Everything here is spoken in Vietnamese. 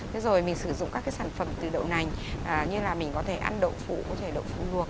thế rồi mình sử dụng các cái sản phẩm từ đậu nành như là mình có thể ăn đậu phủ có thể đậu phủ luộc